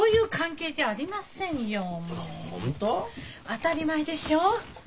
当たり前でしょう？